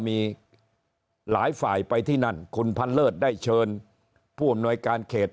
มีหลายฝ่ายไปที่นั่นคุณพันเลิศได้เชิญผู้อำนวยการเขต